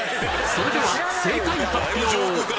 それでは正解発表！